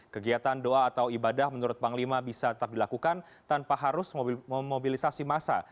kegiatan doa atau ibadah menurut panglima bisa tetap dilakukan tanpa harus memobilisasi masa